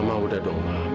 mama udah dong ma